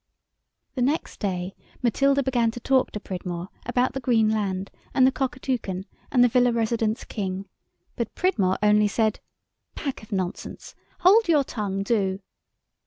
The next day Matilda began to talk to Pridmore about the Green Land and the Cockatoucan and the Villa residence King, but Pridmore only said— "Pack of nonsense! Hold your tongue, do!"